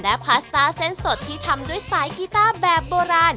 และพาสตาร์เซ็นต์สดที่ทำด้วยสายกีตาร์แบบโบราณ